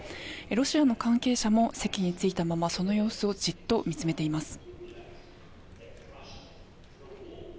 ロシアの関係者も席に着いたままその様子をじっと見詰めています。